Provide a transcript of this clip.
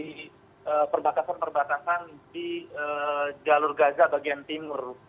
di perbatasan perbatasan di jalur gaza bagian timur